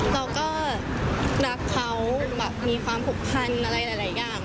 เราก็รักเขาแบบมีความผูกพันอะไรหลายอย่าง